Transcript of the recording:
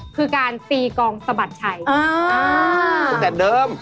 คือการตีกองสะบัดชัยตั้งแต่เดิม